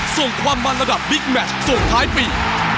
ส่งความมันระดับบิ๊กแมชส่งท้ายปี